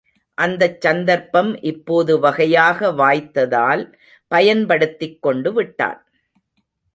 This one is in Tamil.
அந்தச் சந்தர்ப்பம் இப்போது வகையாக வாய்த்ததால் பயன்படுத்திக் கொண்டுவிட்டான்.